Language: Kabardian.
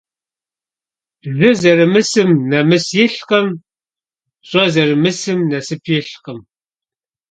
Jı zerımısım nemıs yilhkhım, ş'e zerımısım nasıp yilhkhım.